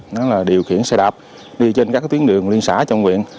đó là điều khiển xe đạp đi trên các tuyến đường liên xã trong quyện